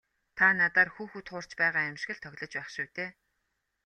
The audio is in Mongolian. Та надаар хүүхэд хуурч байгаа юм шиг л тоглож байх шив дээ.